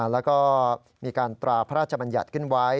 แล้วก็มีการตราพระราชบัญญัติขึ้นไว้